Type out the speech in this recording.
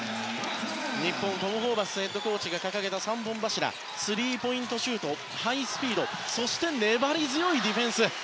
日本トム・ホーバスヘッドコーチが掲げた三本柱スリーポイントシュートハイスピードそして粘り強いディフェンス。